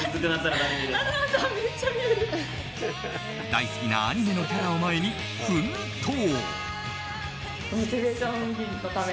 大好きなアニメのキャラを前に奮闘。